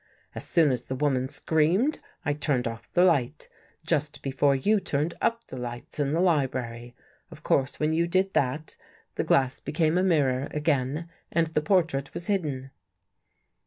As soon as the woman screamed, I turned off the light, just before you turned up the lights in the library. Of course, when you did that, the glass became a mirror again and the portrait was hidden."